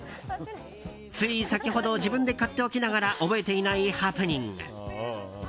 つい先ほど自分で買っておきながら覚えていないハプニング。